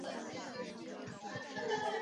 名家抄本具有更珍贵的收藏价值。